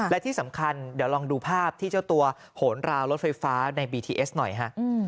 และที่สำคัญเดี๋ยวลองดูภาพที่เจ้าตัวโหนราวรถไฟฟ้าในบีทีเอสหน่อยฮะ